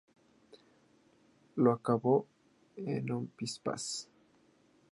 Lo acabo en un pispás